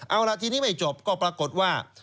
เอาล่ะทีนี้ไม่จบก็ปรากฏว่า